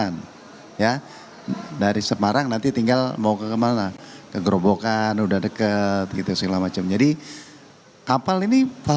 nanti kena etli apa enggak